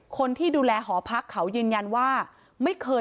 คนที่ดูแลหอพักเขายืนยันว่าไม่เคย